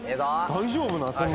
大丈夫なん？